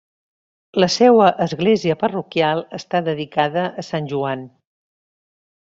La seua església parroquial està dedicada a Sant Joan.